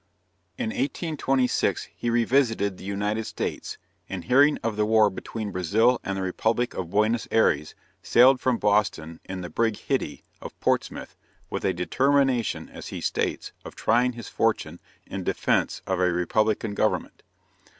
In 1826, he revisited the United States, and hearing of the war between Brazil and the Republic of Buenos Ayres, sailed from Boston in the brig Hitty, of Portsmouth, with a determination, as he states, of trying his fortune in defence of a republican government.